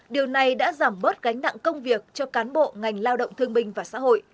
điều này đã giảm bớt gánh nặng công việc cho cán bộ ngành lao động thương binh và xã hội